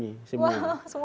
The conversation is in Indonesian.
wah semua ya